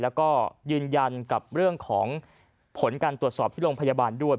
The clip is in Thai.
แล้วก็ยืนยันกับเรื่องของผลการตรวจสอบที่โรงพยาบาลด้วย